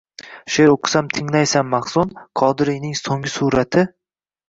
Sheʼr oʻqisam tinglaysan mahzun, Qodiriyning soʻnggi surati?